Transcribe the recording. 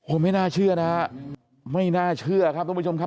ไม่น่าเชื่อนะฮะไม่น่าเชื่อครับทุกผู้ชมครับ